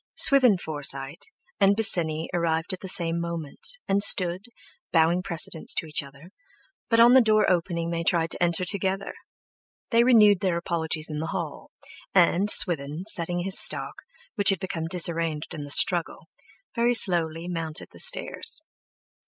Swithin Forsyte, and Bosinney arrived at the same moment,—and stood—bowing precedence to each other,—but on the door opening they tried to enter together; they renewed their apologies in the hall, and, Swithin, settling his stock, which had become disarranged in the struggle, very slowly mounted the stairs.